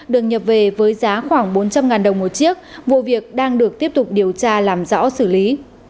đường nhập về với giá khoảng bốn trăm linh đồng một chiếc vụ việc đang được tiếp tục điều tra làm rõ xử lý